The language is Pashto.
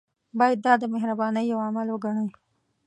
باید دا د مهربانۍ یو عمل وګڼي.